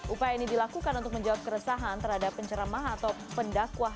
upaya ini dilakukan untuk menjawab keresahan terhadap penceramah atau pendakwah